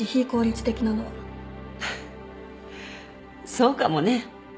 そうかもね。